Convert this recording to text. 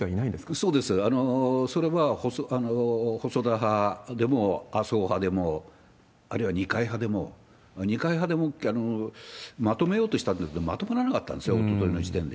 そうです、それは、細田派でも麻生派でも、あるいは二会派でも、二階派でもまとめようとしたんだけれども、まとまらなかったんです、おとといの時点で。